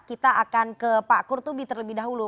kita akan ke pak kurtubi terlebih dahulu